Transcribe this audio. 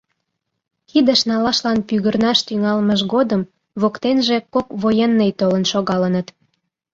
Кидыш налашлан пӱгырнаш тӱҥалмыж годым воктенже кок военный толын шогалыныт.